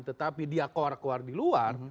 tetapi dia keluar keluar di luar